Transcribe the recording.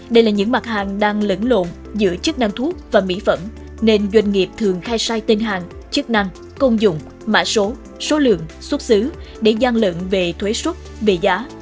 đây là những mặt hàng đang lẫn lộn giữa chức năng thuốc và mỹ phẩm nên doanh nghiệp thường khai sai tên hàng chức năng công dụng mã số số lượng xuất xứ để gian lận về thuế xuất về giá